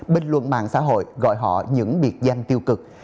bình luận mạng xã hội gọi họ những biệt danh tiêu cực